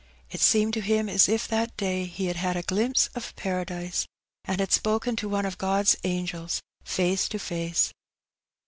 It seemed to him as if tiiat day he had had a glimpse of Paradise^ and had spoken to one of God's angels face to face.